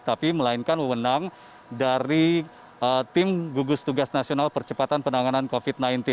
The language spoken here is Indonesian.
tapi melainkan wewenang dari tim gugus tugas nasional percepatan penanganan covid sembilan belas